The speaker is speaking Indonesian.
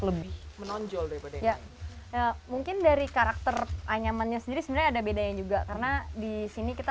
lebih menonjol ya mungkin dari karakter nyamannya sendiri ada bedanya juga karena di sini kita